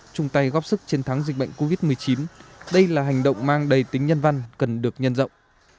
chung tay góp sức chiến thắng dịch bệnh covid một mươi chín đây là hành động mang đầy tính nhân văn cần được nhân rộng